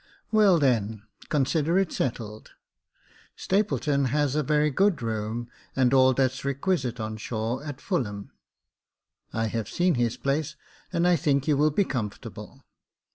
"Well, then, consider it settled. Stapleton has a very good room, and all that's requisite on shore, at 190 Jacob Faithful Fulham. I have seen his place, and I think you will be comfortable."